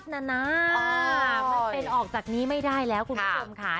มันเป็นออกจากนี้ไม่ได้แล้วคุณผู้ชมค่ะ